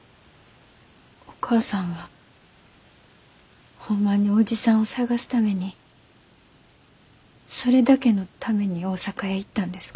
お母さんはホンマに伯父さんを捜すためにそれだけのために大阪へ行ったんですか？